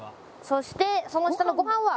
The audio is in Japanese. そしてその下のご飯は。